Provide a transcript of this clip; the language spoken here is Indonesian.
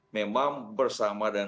memang bersama dan